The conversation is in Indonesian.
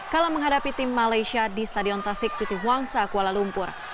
kala menghadapi tim malaysia di stadion tasik putihwang saakuala lumpur